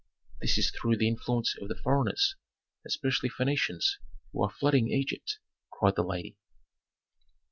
"This is through the influence of foreigners, especially Phœnicians, who are flooding Egypt," cried the lady.